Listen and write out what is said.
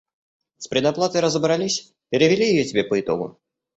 С предоплатой разобрались? Перевели её тебе по итогу?